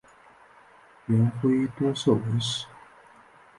元晖多涉文史。